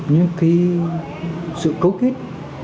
những cái sự cấu kết